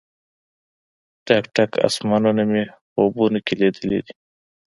ډک، ډک اسمانونه مې خوبونو کې لیدلې دي